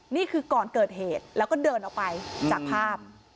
นี่คือก่อนเกิดเหตุแล้วก็เดินออกไปจากภาพ